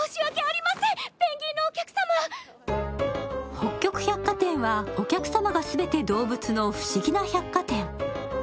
北極百貨店はお客様が全て動物の不思議な百貨店。